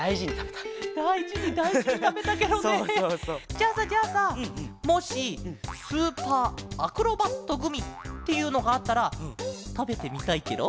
じゃあさじゃあさもしスーパーアクロバットグミっていうのがあったらたべてみたいケロ？